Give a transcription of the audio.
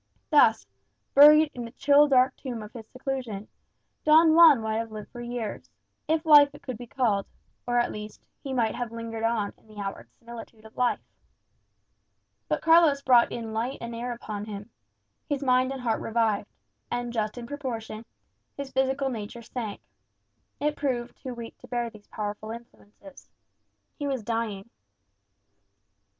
Thus, buried in the chill dark tomb of his seclusion, Don Juan might have lived for years if life it could be called or, at least, he might have lingered on in the outward similitude of life. But Carlos brought in light and air upon him. His mind and heart revived; and, just in proportion, his physical nature sank. It proved too weak to bear these powerful influences. He was dying.